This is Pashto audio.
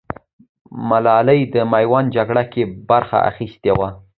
ملالۍ د ميوند جگړه کې برخه اخيستې وه.